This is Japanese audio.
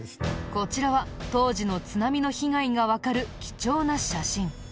こちらは当時の津波の被害がわかる貴重な写真。